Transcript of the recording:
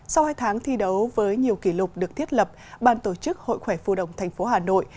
sau hai tháng thi đấu với nhiều kỷ lục được thiết lập ban tổ chức hội khỏe phu động tp hà nội